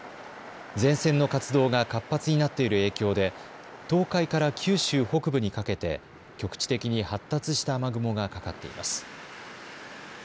前線の活動が活発になっている影響で東海から九州北部にかけて局地的に発達した雨雲がかかっています。